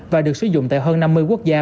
và được sử dụng tại hơn năm mươi quốc gia